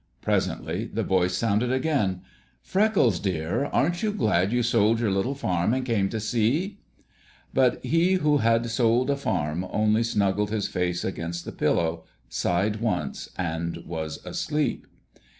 Presently the voice sounded again— "Freckles, dear, aren't you glad you sold your little farm and came to sea?" But he who had sold a farm only snuggled his face against the pillow, sighed once, and was asleep.